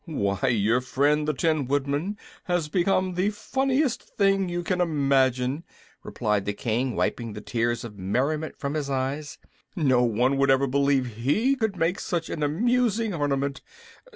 "Why, your friend, the Tin Woodman, has become the funniest thing you can imagine," replied the King, wiping the tears of merriment from his eyes. "No one would ever believe he could make such an amusing ornament.